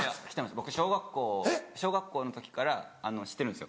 僕小学校の時から知ってるんですよ。